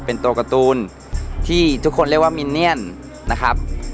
เป็นตัวการ์ตูนที่ทุกคนเรียกว่ามินเนียนนะครับ